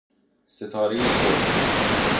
ستاره سرخ